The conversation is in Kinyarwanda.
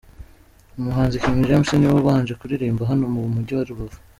Umuhanzi King James niwe ubanje kuririmba hano mu mujyi wa Rubavu.